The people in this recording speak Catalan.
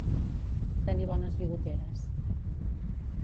Tenir bones bigoteres.